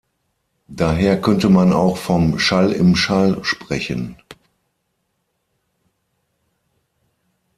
Daher könnte man auch vom "Schall im Schall" sprechen.